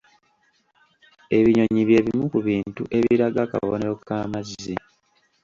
Ebinyonyi bye bimu ku bintu ebiraga akabonero ka mazzi.